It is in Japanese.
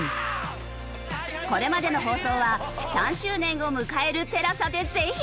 これまでの放送は３周年を迎えるＴＥＬＡＳＡでぜひ。